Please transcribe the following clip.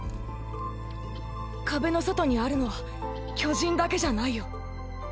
壁の外にあるのは巨人だけじゃないよ。